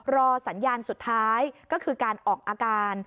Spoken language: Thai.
รอสัญญาณสุดท้ายก็คือการออกอาการ